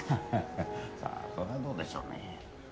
さあそれはどうでしょうね。